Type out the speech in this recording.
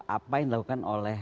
apa yang dilakukan oleh